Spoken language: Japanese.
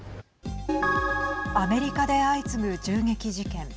アメリカで相次ぐ銃撃事件。